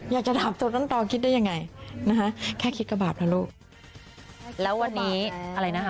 อยากจะถามจุดนั้นต่อคิดได้ยังไงนะฮะแค่คิดก็บาปแล้วลูก